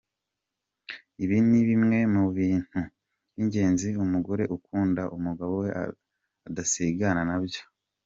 Ibi ni bimwe mu bintu by’ingenzi umugore ukunda umugabo we adasigana nabyo:.